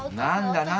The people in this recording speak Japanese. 何だ？